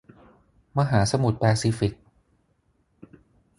มหาสมุทรแปซิฟิก